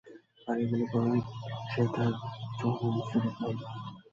আর এগুলো করেই সে তার যৌবন ফিরে পায়।